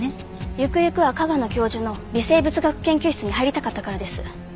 行く行くは加賀野教授の微生物学研究室に入りたかったからです。